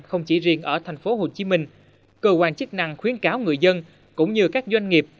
không chỉ riêng ở tp hcm cơ quan chức năng khuyến cáo người dân cũng như các doanh nghiệp